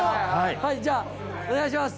はいじゃあお願いします